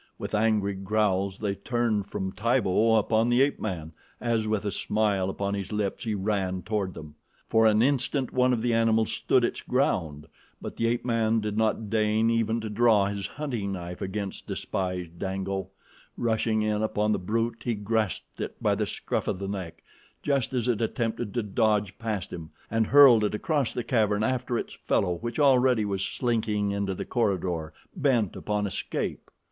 With angry growls they turned from Tibo upon the ape man, as, with a smile upon his lips, he ran toward them. For an instant one of the animals stood its ground; but the ape man did not deign even to draw his hunting knife against despised Dango. Rushing in upon the brute he grasped it by the scruff of the neck, just as it attempted to dodge past him, and hurled it across the cavern after its fellow which already was slinking into the corridor, bent upon escape.